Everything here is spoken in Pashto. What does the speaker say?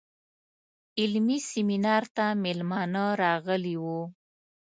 علمي سیمینار ته میلمانه راغلي وو.